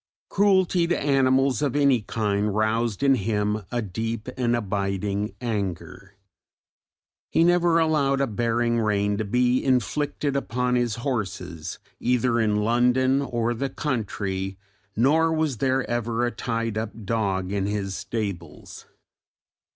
Cruelty to animals of any kind roused in him a deep and abiding anger: he never allowed a bearing rein to be inflicted upon his horses either in London or the country, nor was there ever a tied up dog in his stables.